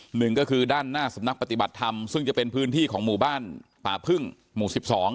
หน้าสำนักปฏิบัติธรรมซึ่งจะเป็นพื้นที่ของหมู่บ้านป่าพึ่งหมู่๑๒